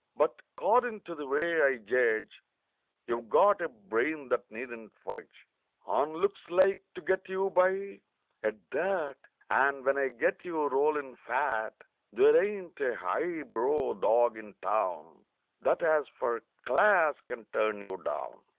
But 'cordin' to the way I judge You've got a brain that needn't fudge On looks to get you by, at that, And when I get you rollin' fat There ain't a high brow dog in town That as for "class" can turn you down!